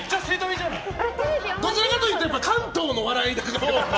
どちらかというと関東の笑いだから。